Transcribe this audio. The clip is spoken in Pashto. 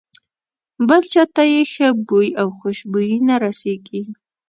بل چاته یې ښه بوی او خوشبويي نه رسېږي.